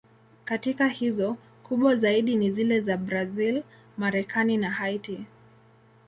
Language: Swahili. Katika hizo, kubwa zaidi ni zile za Brazil, Marekani na Haiti.